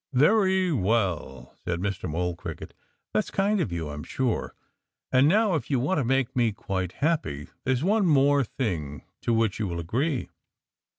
"Very well!" said Mr. Mole Cricket. "That's kind of you, I'm sure. And now, if you want to make me quite happy, there's one more thing to which you will agree."